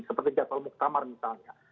seperti jadwal muktamar misalnya